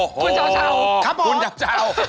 อ๋อคุณเจ้าครับผมคุณเจ้า